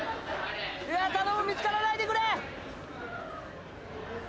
頼む見つからないでくれ！